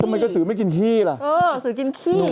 ทำไมกระสือไม่กินขี้ล่ะเออกระสือกินขี้